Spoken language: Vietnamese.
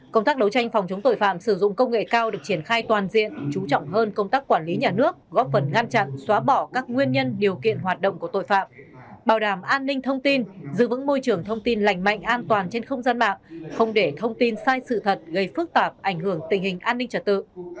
công tác đấu tranh phòng chống tội phạm sử dụng công nghệ cao được triển khai toàn diện chú trọng hơn công tác quản lý nhà nước góp phần ngăn chặn xóa bỏ các nguyên nhân điều kiện hoạt động của tội phạm bảo đảm an ninh thông tin giữ vững môi trường thông tin lành mạnh an toàn trên không gian mạng không để thông tin sai sự thật gây phức tạp ảnh hưởng tình hình an ninh trật tự